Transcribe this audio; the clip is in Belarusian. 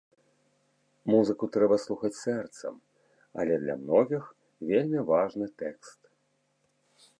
Музыку трэба слухаць сэрцам, але для многіх вельмі важны тэкст.